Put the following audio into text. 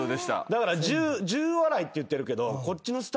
だから１０笑いって言ってるけど。